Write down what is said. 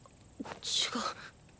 違う。